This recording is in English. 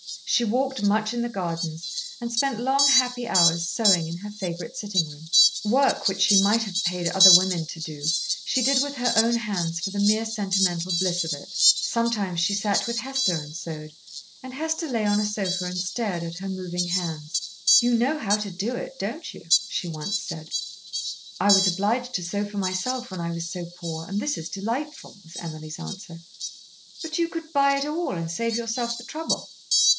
She walked much in the gardens, and spent long, happy hours sewing in her favourite sitting room. Work which she might have paid other women to do, she did with her own hands for the mere sentimental bliss of it. Sometimes she sat with Hester and sewed, and Hester lay on a sofa and stared at her moving hands. "You know how to do it, don't you?" she once said. "I was obliged to sew for myself when I was so poor, and this is delightful," was Emily's answer. "But you could buy it all and save yourself the trouble."